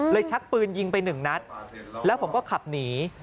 เลยชักปืนยิงไป๑นัดแล้วผมก็ขับหนี